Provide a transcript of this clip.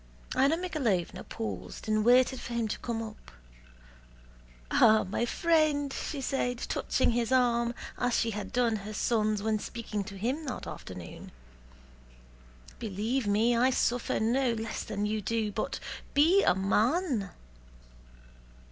Anna Mikháylovna paused and waited for him to come up. "Ah, my friend!" she said, touching his arm as she had done her son's when speaking to him that afternoon, "believe me I suffer no less than you do, but be a man!"